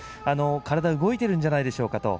体、動いてるんじゃないでしょうか。